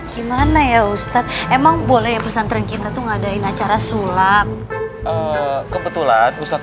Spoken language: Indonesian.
gimana ya ustadz emang boleh pesan terkita tuh ngadain acara sulap kebetulan ustadz